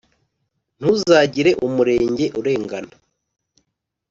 Ntuzagire umurenge urengana.